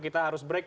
kita harus break